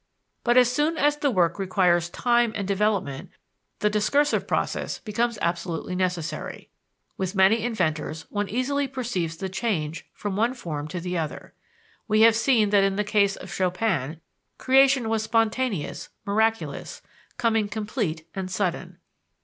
But as soon as the work requires time and development the discursive process becomes absolutely necessary: with many inventors one easily perceives the change from one form to the other. We have seen that in the case of Chopin, "creation was spontaneous, miraculous," coming complete and sudden.